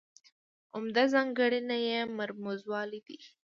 عمده ځانګړنه یې مرموزوالی دی.